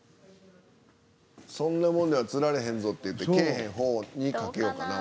そんなもんでは釣られへんぞっていって来えへん方にかけようかな俺は。